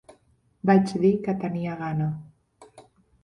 Vaig dir que tenia gana.